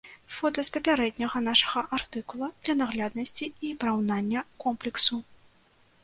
Фота з папярэдняга нашага артыкула для нагляднасці і параўнання комплексу.